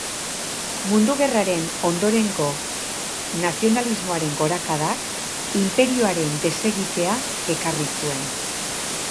Mundu Gerraren ondorengo nazionalismoaren gorakadak, inperioaren desegitea ekarri zuen.